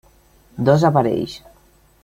Dos aparells.